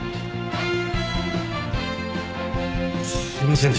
すいませんでした。